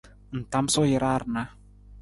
Ng tamasuu jara rana.